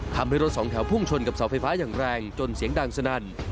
ทำให้รถสองแถวพุ่งชนกับเสาไฟฟ้าอย่างแรงจนเสียงดังสนั่น